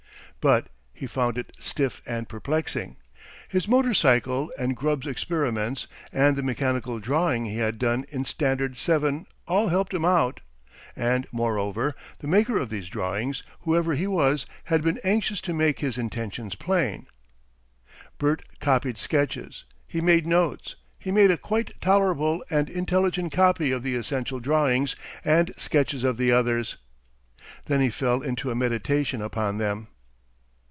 But he found it stiff and perplexing. His motor bicycle and Grubb's experiments and the "mechanical drawing" he had done in standard seven all helped him out; and, moreover, the maker of these drawings, whoever he was, had been anxious to make his intentions plain. Bert copied sketches, he made notes, he made a quite tolerable and intelligent copy of the essential drawings and sketches of the others. Then he fell into a meditation upon them.